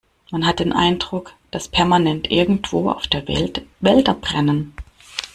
Man hat den Eindruck, dass permanent irgendwo auf der Welt Wälder brennen.